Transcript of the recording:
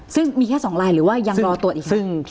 ซึ่งมีแค่๒รายหรือยังรอตรวจอีกครับ